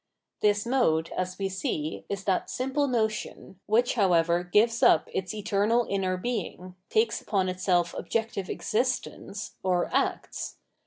This mode, as we see, is that simple notion, which however gives up its eternal inner Being, takes upon itself objective existence, or acts.